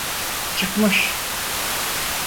Çıkmış…